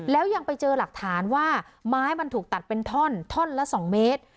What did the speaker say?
แล้วยังไปเจอหลักฐานว่าไม้มันถูกตัดเป็นท่อนท่อนละ๒เมตร